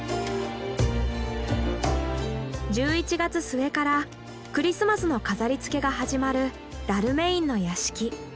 １１月末からクリスマスの飾りつけが始まるダルメインの屋敷。